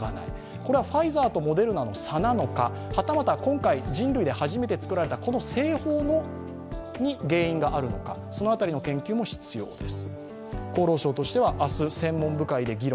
これはファイザーとモデルナの差なのか、はたまた今回人類で初めて作られたこの製法に原因があるのか、その辺りの研究も必要です。